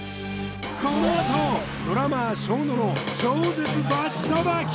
このあとドラマーＳＨＯＮＯの超絶バチさばき！